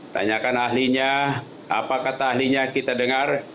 tanyakan ahlinya apa kata ahlinya kita dengar